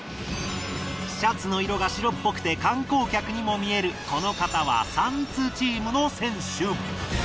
シャツの色が白っぽくて観光客にも見えるこの方はサンツチームの選手。